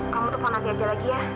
kamu telepon aja lagi ya